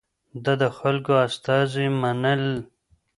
ده د خلکو استازي منل.